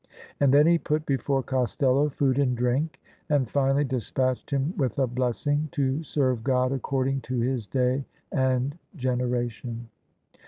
And then he put before Costello food and drink and finally despatched him with a blessing, to serve God according to his day and generation.